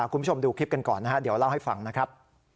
คุณผู้ชมดูคลิปกันก่อนนะฮะเดี๋ยวเล่าให้ฟังนะครับ